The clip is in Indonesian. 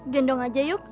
gendong aja yuk